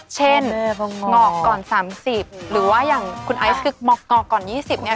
เช่นงอกก่อน๓๐หรือว่าอย่างคุณไอซ์คือหมอก่อน๒๐เนี่ย